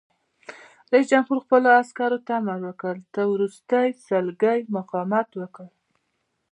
رئیس جمهور خپلو عسکرو ته امر وکړ؛ تر وروستۍ سلګۍ مقاومت وکړئ!